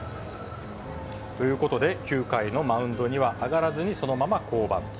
ということで、９回のマウンドには上がらずに、そのまま降板。